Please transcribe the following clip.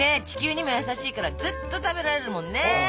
地球にも優しいからずっと食べられるもんね。